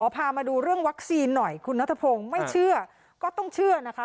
พามาดูเรื่องวัคซีนหน่อยคุณนัทพงศ์ไม่เชื่อก็ต้องเชื่อนะคะ